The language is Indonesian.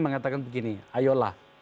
mengatakan begini ayolah